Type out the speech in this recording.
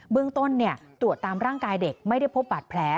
เรื่องต้นตรวจตามร่างกายเด็กไม่ได้พบบาดแผล